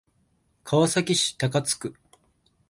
川崎市高津区